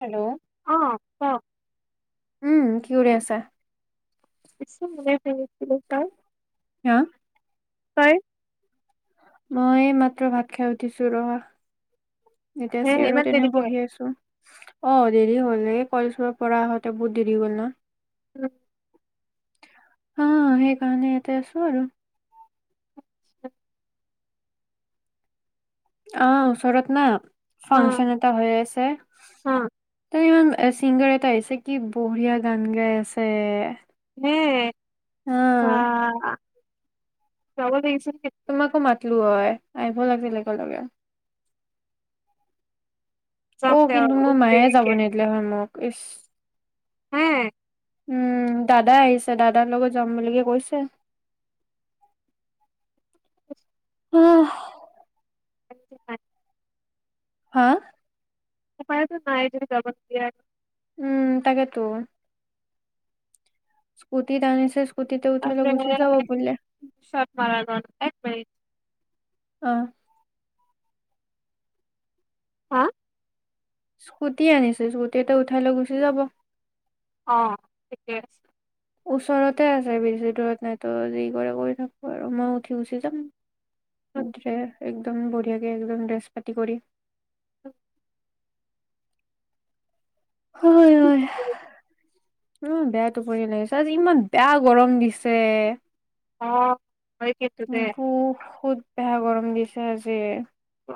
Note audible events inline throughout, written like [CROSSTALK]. Hello, অ ক উম। কি কৰি আছা? আছো এনেই শুই আছিলো তই হা। তই মই এই মাত্ৰ ভাত খাই উঠিছোঁ, ৰ'হা। এতিয়া হে ইমান চিয়াৰত এনে দেৰিকে বহি আছো। অ', দেৰি হ'ল, এই কলেজৰ পৰা আহোঁতে বহুত দেৰি হ'ল না। উম। অ', সেইকাৰণে, ইয়াতে আছো আৰু [INAUDIBLE] অ', ওচৰত না ফাংচন এটা হৈ আছে, অ তে ইমান এ চিংগাৰ এটা আহিছে, কি বঢ়িয়া গান গাই আছে। হে আ। বা যাব লাগিছিল। তোমাকো মাতলো হয়, আহিব লাগছিল একেলগে। যাম অ', দে কিন্তু মই মায়ে যাব দেৰিকে নেদলে হয় মোক। ইছ হে উম, দাদা আহিছে, দাদাৰ লগত যাম বুলিকে কৈছে। আহ। [UNINTELLIGIBLE] হা? উপায়তো নাই যিহেতু যাব নিদিয়ে আৰু। উম, তাকেতো। স্কুটিত আনিছে স্কুটিতে উঠাই লৈ গুচি যাব বোলে [UNINTELLIGIBLE] এক মিনিট অ হা? স্কুটি আনিছে, স্কুটিতে উঠাই লৈ গুচি যাব। অ', ঠিকে। ওচৰতে আছে বেছি দূৰত নাই তো যি কৰে কৰি থাকপ আৰু মই উঠি গুচি যাম। হুম, [UNINTELLIGIBLE] একদম বঢ়িয়াকে একদম ড্ৰেছ পাতি কৰি [UNINTELLIGIBLE] হয় ঠিক হয়। আছে। উ বেয়া টোপনি লাগিছে আজি ইমান বেয়া গৰম দিছে। অ' হয় কিন্তু দে। বহুত বেয়া গৰম দিছে আজি।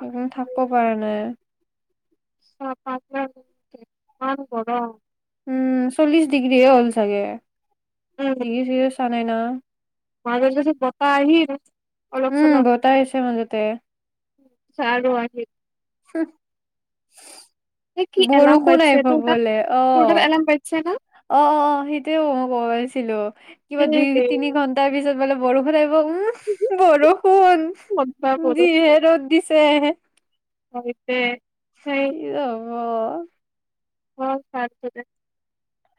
[UNINTELLIGIBLE] থাকপ পাৰা নাই। [UNINTELLIGIBLE] ইমান গৰম। উম, চল্লিচ ডিগ্ৰীয়ে হ'ল চাগে। উম দি [UNINTELLIGIBLE] [UNINTELLIGIBLE] না। [UNINTELLIGIBLE] বতাহ আহি [UNINTELLIGIBLE] উম, বতাহ আহিছে মাজতে। [UNINTELLIGIBLE] [UNINTELLIGIBLE] কি এলাৰ্ম বৰষুণ বাজছে আইভ তোৰ তাত বোলে তোৰ তাত অ'। এলাৰ্ম বাজছে না অ' অ' অ' সেইটোৱে মই [UNINTELLIGIBLE] ছিলো, কিবা দুই হেৰে [UNINTELLIGIBLE] তিনি ঘন্টাৰ পিছত মানে বৰষুণ আইভো অ' উমফ বৰষুণ, কতবা যিহে ৰ'দ দিছে। হয়। তে সেই অ'। অ' [UNINTELLIGIBLE] দে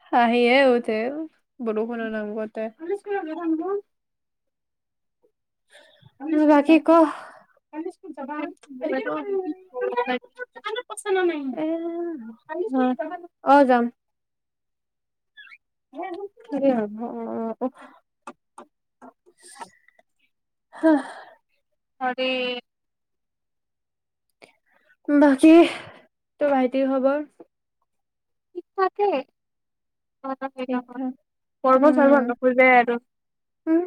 হাঁহিয়ে উঠে। বদষুণৰ নাম কোৱাতে। [UNINTELLIGIBLE] [INAUDIBLE] বাকী ক? [UNINTELLIGIBLE] [UNINTELLIGIBLE] অ' যাম। [UNINTELLIGIBLE] হহ', [UNINTELLIGIBLE] বাকী তোৰ ভাইটিৰ খবৰ? কিবা কে। ঠিক থাক। উম- নোখোজে আৰু উম।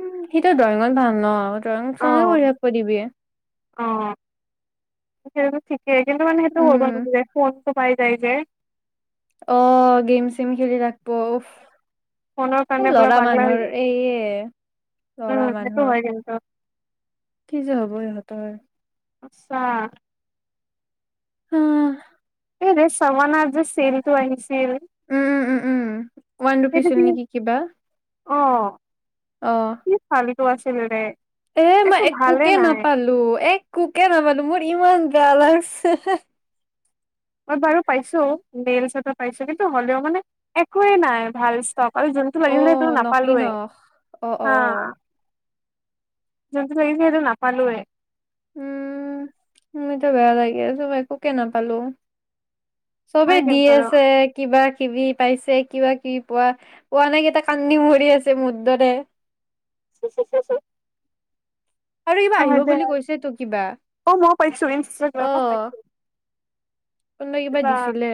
ন ৰং অ চঙে [UNINTELLIGIBLE] অ সেইটো ঠিক কে, কিন্তু মানে সেইটো [UNINTELLIGIBLE] পাই যায় যে। অ', গেম-চেম খেলি ৰাখপো উফ। ফোনৰ এ কাৰণে পুৰা ল'ৰা পাগলা হৈ মানুহৰ যায় এয়ে ল'ৰা উম সেইটো মানুহৰ হয় কিন্তু কি যে হ'ব ইহঁতৰ। সঁচা। উম', এ বে' চবনাত যে চেল তো আহিছে? উম', - উম', -উম', -উম', ওৱান সেইটো কি ৰুপিচৰ নেকি কিবা? অহ', টো আছিল দে। এ মই একোকে নাপালো- একোকে নাপালো মোৰ ইমান বেয়া লাগছে। মই বাৰু পাইছো নেইলছ এটা পাইছো, কিন্তু, হ'লেও মানে একোৱে নাই ভাল ষ্ট'ক। ভাল জোনটো অ লাগিল সেইটো নকলি নাপালোয়ে নখ অ অ অ হা',। জোনটো লাগিছিল সিটো নাপালোৱে। উম', মোৰ এতিয়া বেয়া লাগি আছে মই একোকে নাপালো। চবে হয় দি কিন্তু আছে কিবা। কিবি পাইছে কিবা কিবি পোৱা-পোৱা নাই কেইটাই কান্দি মৰি আছে মোৰ দৰে হু- হু- হু- হু আৰু কিবা অহ', আহিব বুলি কৈছে [UNINTELLIGIBLE] তো কিবা মই পাইছো, অ ইষ্টাগ্ৰামত পাইছো। কোনোবাই কিবা দিছিলে?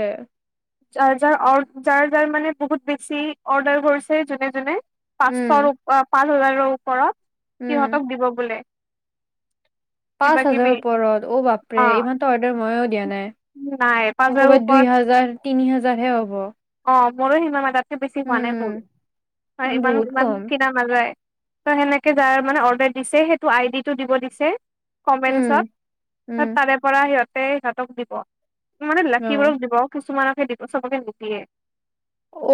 চাৰ্জাৰ অৰ চাৰ্জাৰ মানে বহুত বেছি অৰ্ডাৰ কৰিছে যোনে- যোনে। পাঁচশ উম ৰ ও [UNINTELLIGIBLE] হাজাৰৰ ওপৰত। উম সিহঁতক দিব বোলে। কিবা পাঁচ কিবি হাজাৰৰ ওপৰত অহ', বাপৰে অ', ইমানটো অৰ্ডাৰ ময়ো দিয়া নাই। নাই পাঁচ মই হাজাৰৰ ক'বাত ওপৰত দুই হাজাৰ। তিনি হাজাৰ হে হ'ব অ', মোৰো সিমান মান, তাতকে বেছি হোৱা নাই মোৰো উম হয় ইমান বহুত ইমান কম কিনা নাযায় তো সেনেকে যাই মানে অৰ্ডাৰ দিছে সেইটো আইডিটো দিব দিছে উম কমেনছত উম তাৰে পৰা সিহঁত তে সিহঁতক দিব মানে অ লাকিবোৰক দিব, কিছুমানক হে দিব, চবকে নিদিয়ে। অ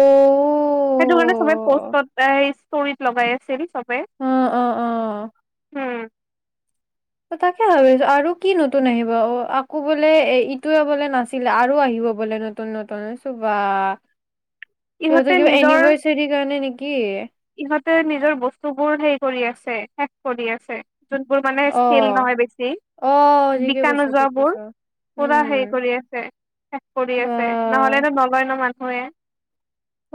সেইটো কাৰণে চবে পষ্টত তৰিীত লগাই আছিল উ উ উ উম তাকে ভাবিছো আৰু কি নতুন আহিব অ আকৌ বোলে এ ইটোৱে বোলে নাছিলে আৰু আহিব বোলে নতুন নতুন চো বাা ইহঁতে সিহঁতৰ কিবা নিজৰ এনিভাৰ্চাৰীৰ কাৰণে নেকি কি ইহঁতে নিজৰ বস্তু বোৰ হে কৰি আছে শেষ কৰি আছে যোনবোৰ মানে অ চেল নহয় বেছি অ ঠিকে বিকা কৈছ ঠিক কৈছ নোযোৱাবোৰ পুৰা হেৰি উম কৰি আছে শেষ কৰি বা আছে নহলেতো নলয় ন মান গইে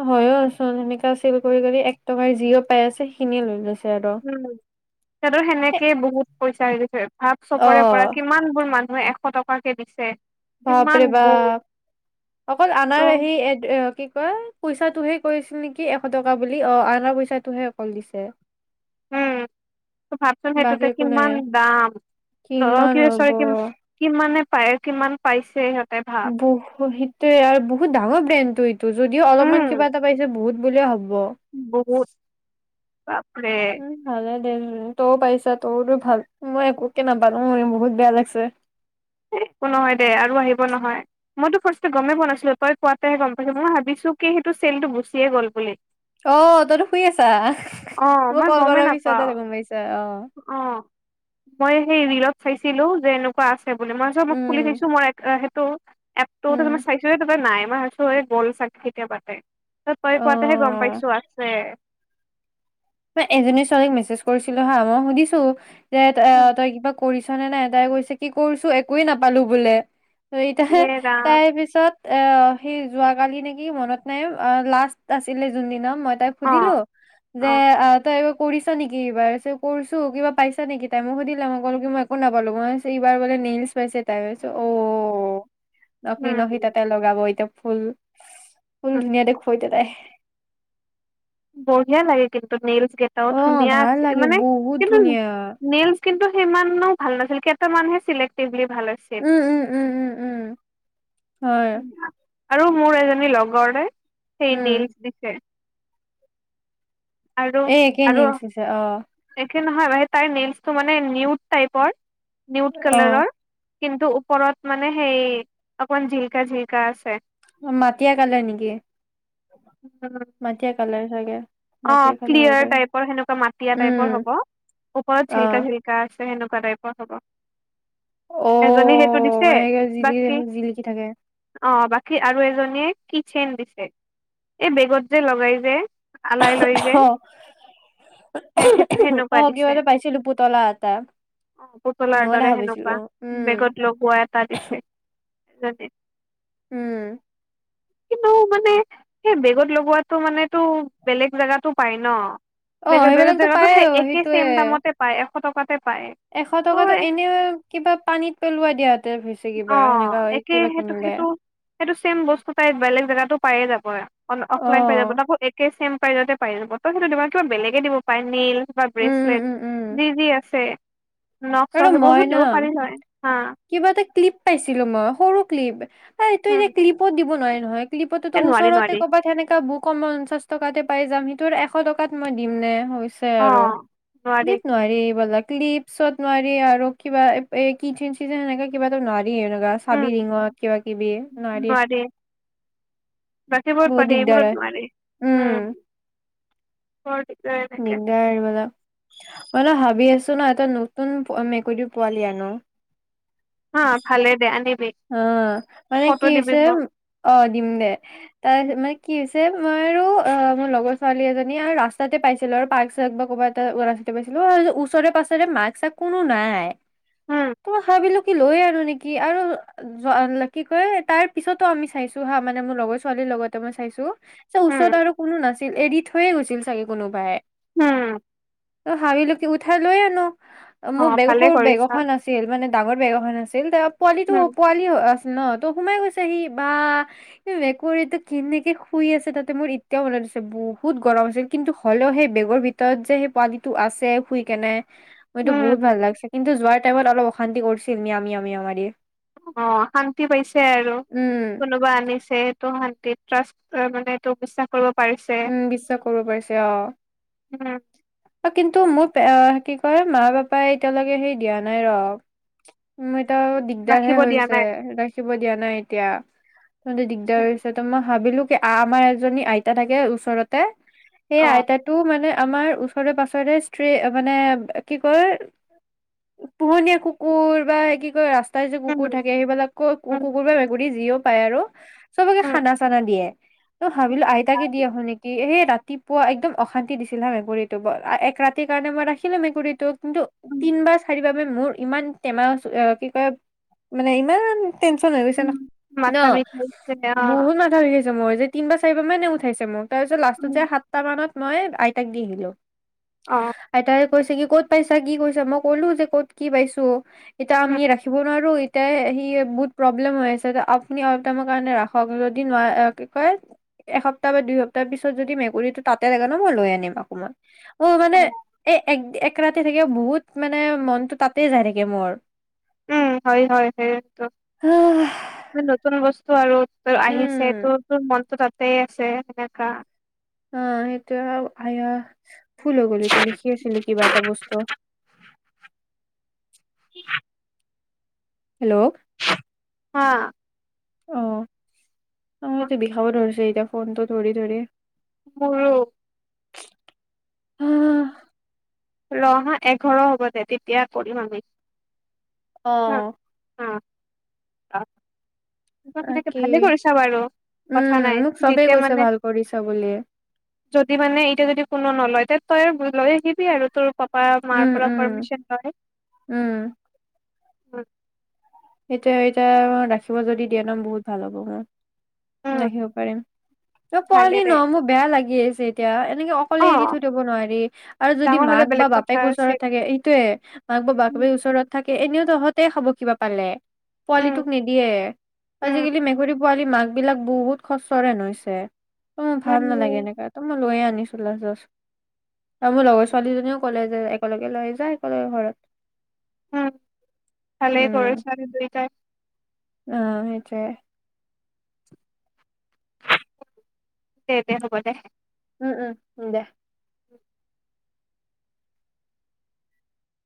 হয়য়ো চোন সেনেককা চেল কৰি কৰি এক টকাৰ যিও পাই আছে সেইখিনিয়ে লৈ লৈছো উম সিহঁতৰ সেনেকেই বহুত পইচা হৈ গৈছে ভাপ অ চবৰে পৰা কিমান বোৰ মানুহে এ এশ টকাকে দিছে ভাপৰে কিমান বা বোৰ অকল আাৰ ত' আহি কি ক পইচাটোহে কৰিছিল নেকি এশ টকা বুলি অঁ আনৰ পইচাটোহে অকল দিছে উম ভাবচোন বাকী সেইটোতে একো নাই কিমান দাম অ কিমান কি কি হ'ব কিমানে পায়ে কিমান পাইছে সহঁ বহুত সেইটোৱে আৰু বহুত ডাঙৰ ব্ৰেণ্ড টো এইটো যদিও অলপমান উম কিবা এটা পাইছে বহুত বুলিয় হ'ব হব অঁ উম হে দে তইও পাৰছা তোৰতো ভাল মই এক নাপালো বহুত বেয়া লাগিছে একো নহয় দে আৰু আহিব নহয় মইতো ফাৰ্ষ গমেই পোৱা নাছিলো তই কোৱাতেহে গম পাইছ মই ভাবিছো কি সেইটো চেলটো গুচিয়ে গ'ল বুলি আহ তইতো শুই আছা অ মই কল গমেই কৰাৰ পিছতে ত নাপাও গম পাইছা আহ খাইছিলো যে এনেুৱা মই মোক খুলি উম খাইছো মই ত' এপ তাৰ উম। চাইছো তই নাই। মই ভাবিছোঁ গল চাক কেতিয়া পাতে ত তই কোৱাতেহে গম অ পাইছো আছে ম এজনী ছোৱালীক মেছেজ কৰিছিলো হা মই সুধিছো যে তই কিবা কৰিছ তে নাই এটাই কৈছে কি কৰিছো একোৱে নাপালো বোলে চাৰিটা হে ইয়ে ৰাম তাৰ পিছত। এ সেই যোৱাকালি নেকি মনত নাই লাষ্ট আছিলে যোনদিনা মই তাই অ সুধিলো টে অ টাউক কৰিছা নেকি এইবাৰ কৰিছো কিবা পাইছা নেকি তাই মোক সুধিলে মই কলো কি মই একো নাপালো মই এইবাৰ বোলে নেইলছ পাইছে তাইছ অ নকি নহি উম তাতে লগাব এতিয়া ফুল ফুল উম দুুনীয়া দেখুৱাইতে তাই বঢ়িয়া লাগে কিন্তু নলছ কেইটাও অ ধুনীয়া ভাল আছে লাগে মানে বহুত কিন্তু ধুনীয়া নেলছ কিন্তু সিমানো ভাল নাছিল কেইটা মানুহে চিলেক্ট আছিল ভাল আছিল। উম, উম, উম, উম, উম, হয়, আৰু মোৰ এজনী লগৰ নে সেই উম, নেলছ দিছে আৰু এেই আৰু নিচিছে অ নহয় তাই নলছটো মানে নিউট টাইপৰ নিউট অ', কালাৰৰ কিন্তু ওপৰত মানে সেই অকমান জিলকা জিল্কা আছে অ মাটিয়া কালে নেকি মাটিয়ে কাল পালে চাগে অ মাটিয়া কালাৰ হ'ব ক্লিয়াৰ পাৰে, টাইপৰ সেনেকুৱা মাটিয় উম, টাইপৰ হ'ব ওপৰত চিল্কা অ', চিল্কা আছে সেনেকুৱা টাইপৰ হ'ব এজনে সেইটো অ', দিছে মানে কি বাকী জিলি জিলিকি থাকে, অ বাকী আৰু এজনী কি চেন দিছে এই বেগত যে লগাই যে আলাই লৈ যে আহ সেই সেইটো সেনেকুৱা আহ কিবা দিছে এটা পাইছিলো পুতলা এটা অ পুতলাৰ মই ন দৰে ভাবিছিলো সেনেকুৱা অ উম যদিও উম কিন্তু মানে সেই বেগত লগোৱাটো মানেতটো বেলেগ জেগাতো পায় ন অ', বেগৰ বেগৰ সেইবিলাকতো জেগাতো পায়ে সেই একেই সেইটোয়ে, চেম দামতে পায় পলকতে এশ টকাাতটো এনে কিবা পানীত পেলাই দিয়া হতেৰিছ অ একে সেইটো সেইটো সেইটো চেম বস্তু তাই বেলেগ জেগাত পায়ে যাব আৰু অফলাইন প যাব অ', নৌ একে চেম পাৰিতে পাইিল বতৰ সেইটো দিবা কিবা বেলেগে দিব পাই নিল উম, উম, ব্ৰেচলেট উম, উম। যি যি আছে নখ চখ আৰু মই সেইবোৰো না দিব পাৰি হয়হয় কিবা এটা ক্লিপ পাইছিলো মই সৰু ক্লিপ এই তই এ উম যেয়া ক্লিপত দিব নোৱাৰি নহয় ক্লপতো এ নোৱাৰি ওচৰতে নোৱাৰি ক'বাত সনেকা বুক ক পঞ্চাশ টকাতে পাই যাম সিটোৰ এশ টকাত মই দিম নে অ আৰু দিব নোৱাৰি এইবিলাক ক্লিপছত নোৱাৰি আৰু কিবা কি চেিবা ন এনেকুৱা উম চাবি ৰিঙত কিবা কিবি ন নোৱাৰি বাকীবোৰত বহুত পাৰি দিগদাৰ এইবোৰত হয় উম হয় নিদা আৰুিবালা মই ন ভাবি আছো ন এটা নতুন মেকুৰীৰ পোৱালি আনো হা ভালে দে আ অ মানে কি হৈছে অ দিম দে তাৰপিছত মানে কি হৈছে মই আৰু অ মোৰ লগৰ ছোৱালী এজনী আৰু ৰাসাতে পাইছিলো আৰু পাক্ক চ বা ক'বাত এটা ৰাস্তাতে পাইছিলো আৰু ওচৰে পাছৰে মাক্ক চ কোনো নাই উম তোমাৰ হাবিলো কি লৈ আৰু নেকি আৰু কি কয় তাৰ পিছতো আমি চাইছো হা মানে মোৰ লগৰ ছোৱালীৰ লগতে মই চাইছো চ উম ওচৰত আৰু কোনো নাছিল এৰি থৈয়ে গৈছিল চাগে কোনোবাই উম ত হাৱি ল উঠাই লৈ আ ন অ মোৰ বেগ ভালে সৰু বেগ কৰিছা এখন আছিল মানে ডাঙৰ বেগ এখন আছিল তেওঁ পোৱালিটো উম আছিল ন ত সোমাই গৈছে সি বা মেকুৰীটো কেনেকে শুই আছে তাতে মোৰ এতিয়াও মনত দিছে বহুত গৰম আছিল কিন্তু হ'লেও সেই বেগৰ ভিতৰত যে সেই পোৱালিটো আছে শুই কেনে মইতো উম বহুত ভাল লাগিছে কিন্তু যোৱাৰ টাইমত অলপ অশান্তি কৰিছিল মিআও মিয়াও মিআও মাৰি অ শান্তি পাইছে আৰু উম কোনোবা আনিছে সেইটো শান্তিত ট্ৰাষ্ট তই মানে এটো বিশ্বাস কৰিব পাৰিছে উ, বিশ্বাস কৰিব পাৰিছে অ', উম অ', কিন্তু মোত এ, কি কয় মা পাপাই এতিয়ালৈকে হেৰি দিয়া নাই ৰ। মইত আৰু দিগদাৰ হে ৰাখিব দিয়া হৈছে, নাই ৰাখিব দিয়া নাই এতিয়া। তহঁতে দিগদাৰ হৈছে ত মই সাবিলোক আমাৰ এজনী আইতা থাক এ, ওচৰতে। সেই অ আইতাটো মানে আমাৰ ওচৰে পাছৰে স্ত্ৰী মানে কি কয়, পোহনীয়া কুকুৰ বা কি কয় ৰাছ তাত যে উম কুকুৰ থাকে সেইবিলাক উম কুকুৰ বা মেকুৰী যিয়ক পায় আৰু চবকে উম খানা চানা দিয়ে। ত উম হাৱিল আই তাকে ভাল দি আহো নেকি! হে, ৰাতিপুৱা একদম অশান্তি দিছিল হা মেকুৰীটো ব এ-এক ৰাতিৰ কাৰণে মই ৰাখিমেই মেকুৰীটোক। কিন্তু উম তিন বা চাৰিবাৰ মোৰ ইমান টেমা চো কি কয়, মানে ইমান টেনচন হৈ গৈছে ন, উম ন, মাথা বিষাইছে অ বহুত মাথা বিষাই মই যে তিনবা চাৰিবা মানে উঠ ঠাইছে মোক। তাৰপিছত লাষ্টত উম যায় সাতটা মানত মই আইতাক দি আহিলো। অ আইতাই কৈছে কি ক'ত পাইছা? কি কৈচা, মই কলো যে ক'ত কি পাইছো এতা উম আমি ৰাখিব নোৱাৰো এ, সি বহুত প্ৰব্লেম হৈ আছে আপুনি অলপ টাইমৰ কাৰণে ৰাখক যদি নোৱাৰে কি কয় এসপ্তাহ তাপৰা দুই সপ্তাহ পিছত যদি মেকুৰীটো তাতে থাকে ন, মই লৈ আনিম অকমান। অ', মানে এই এক এক ৰাতি তিকে বহুত মানে মনটো তাতেই যাই থাকে মোৰ। উ, হয়, হয়, সেইটো। নতুন বস্তু স্বাৰুত ত আহিছে উম ত, ত, মনটো তাত তেই আছে সেনেকা। অ, সেইটো-আয়া ভুল হ গ'ল লিখি আছিলো কিবা এটা বস্তু। হেল্ল'। হা। আহ। হা, সময়তটো বিষাব ধৰিছে। য়া ফোনটো ধৰি ধৰি উ। আহ। ৰহা এঘাৰ হ'ব দে তেতিয়া কৰিম আমি। অ। হ তেকেনে তাকে ভালে কৰিছা বাৰু কথা উম নাই মোক চবেই যেতিয়া কৈছে মানে, ভাল কৰিছা বুলি যদি মানে এতিয়া যদি কোনো নলয়। ত, তই লৈ আহিবি আৰু তোৰ মাৰ উম পৰা উম পাৰ্মিচন লয়। হয়। উম এতিয়া, এতিয়া ৰাখিব যদি দিয়া ন বহুত ভাল হ'ব উম, মোৰ। আহিব পাৰিম তই ভালে পোৱালি দে ন মোৰ বেয়া লাগি আছে। এতিয়া তেনেকে অ অকলে এৰি থৈ দব নোৱাৰি আৰু যদি ডাঙৰ হলে মাক বা বেলেগ কথা বাপেক ওচৰত আছিল থাকে এইটোয়ে মাক বা উম বাপেক ওচৰত থাকে এনেও তহঁতে খ'ব কিবা। পালে। উম পোৱালিটোক নিদিয়ে উম আজিকালি মেকুৰী পোৱালি মাক বিলাক বহুত খচ ৰেন হৈছে। ত মোৰ উম ভাল নালাগে এনেকা তো মই লৈয় আনো। আৰু মোৰ লগৰ ছোৱালীজনীও ক'লে যে একেলগে লৈ যা একেলগে ঘৰত। উম, ভালে কৰিছো। হয় দুইটাই আহ সেইটয়ে। দে, দে, হ'ব দে। উম, উম, উ, দে। উম।